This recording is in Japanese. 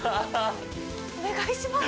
お願いします